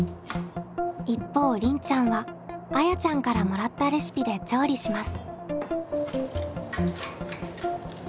一方りんちゃんはあやちゃんからもらったレシピで調理します。